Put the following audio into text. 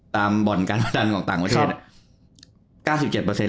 ตามบ่อนการประดันของต่างประเทศ